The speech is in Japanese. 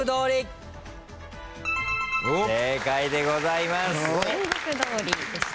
正解でございます。